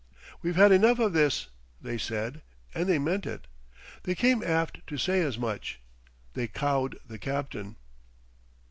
"We've had enough of this," they said, and they meant it. They came aft to say as much. They cowed the captain.